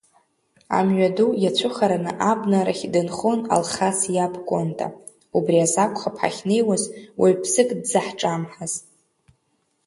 Амҩаду иацәыхараны абнарахь дынхон Алхас иаб Кәынта, убри азакәхап ҳахьнеиуаз уаҩԥсык дзаҳҿамҳаз.